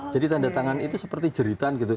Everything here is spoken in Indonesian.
jadi tanda tangan itu seperti jeritan gitu